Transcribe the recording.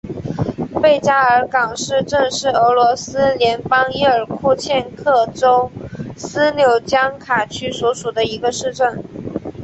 贝加尔港市镇是俄罗斯联邦伊尔库茨克州斯柳江卡区所属的一个市镇。